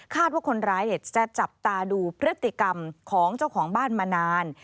ว่าคนร้ายจะจับตาดูพฤติกรรมของเจ้าของบ้านมานาน